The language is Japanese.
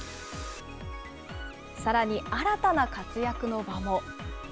さらに新たな活躍の場も。